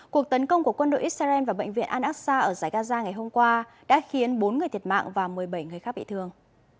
cuộc tấn công của quân đội israel và bệnh viện al aqsa ở giải gaza ngày hôm qua đã khiến bốn người thiệt mạng và một mươi bảy người khác bị thương